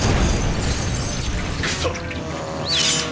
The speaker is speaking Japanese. くそっ！